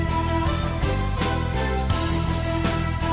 ก็ไม่น่าจะดังกึ่งนะ